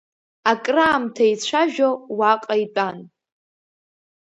Акраамҭа ицәажәо, уаҟа итәан.